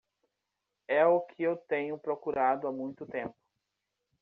É o que eu tenho procurado há muito tempo.